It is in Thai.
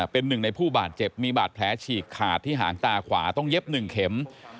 เป็นหนึ่งในผู้บาดเจ็บมีบาดแผลฉีกขาดที่หางตาขวาต้องเย็บ๑เข็ม